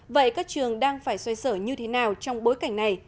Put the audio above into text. vậy các trường đang phải xoay sở như thế nào trong bối cảnh này